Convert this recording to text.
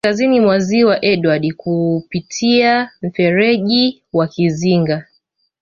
Kaskazini mwa Ziwa Edward kupitia mferji wa Kizinga